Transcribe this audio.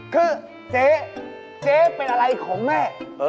คือเจ๊เจ๊เป็นอะไรของแม่